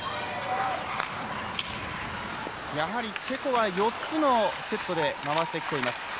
チェコは４つのシフトで回してきています。